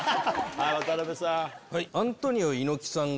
渡辺さん。